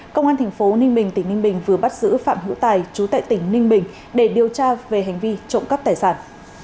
công an thành phố ninh bình tỉnh ninh bình vừa bắt giữ phạm hữu tài chú tại tỉnh ninh bình để điều tra về hành vi trộm cắp tài sản